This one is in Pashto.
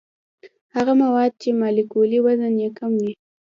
هغه مواد چې مالیکولي وزن یې کم وي.